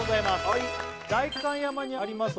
はい代官山にあります